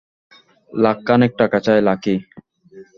লাখখানেক টাকা চাই, লাকি।